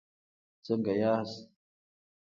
څنګه یاست؟